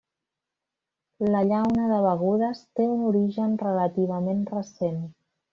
La llauna de begudes té un origen relativament recent.